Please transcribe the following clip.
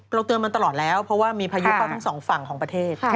เตือนมาตลอดแล้วเพราะว่ามีพายุเข้าทั้งสองฝั่งของประเทศ